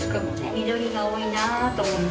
緑が多いなあと思って。